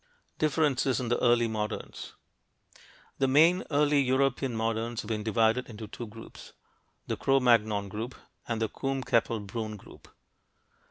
DIFFERENCES IN THE EARLY MODERNS The main early European moderns have been divided into two groups, the Cro Magnon group and the Combe Capelle Brünn group.